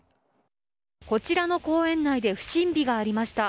こちらの公園内で不審火がありました。